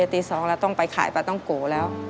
ตี๒เราต้องไปขายปลาต้องโกแล้ว